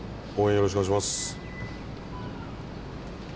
よろしくお願いします。